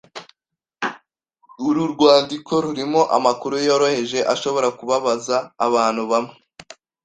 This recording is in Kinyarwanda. Uru rwandiko rurimo amakuru yoroheje ashobora kubabaza abantu bamwe.